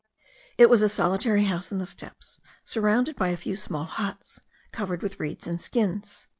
It was a solitary house in the steppes, surrounded by a few small huts, covered with reeds and skins.